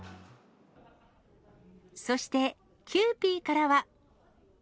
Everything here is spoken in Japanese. そしてキユーピーからは。